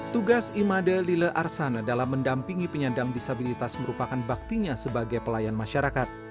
tugas imade lile arsana dalam mendampingi penyandang disabilitas merupakan baktinya sebagai pelayan masyarakat